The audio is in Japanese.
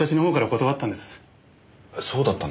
そうだったんですか。